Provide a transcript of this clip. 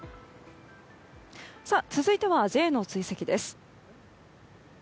続いてはＪの追跡です。